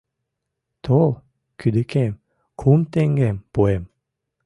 Тол кӱдыкем, кум теҥгем пуэм.